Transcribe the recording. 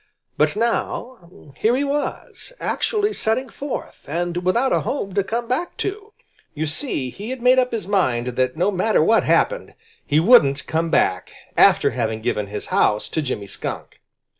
But now, here he was, actually setting forth, and without a home to come back to! You see, he had made up his mind that no matter what happened, he wouldn't come back, after having given his house to Jimmy Skunk.